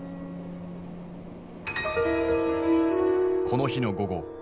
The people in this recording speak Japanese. この日の午後。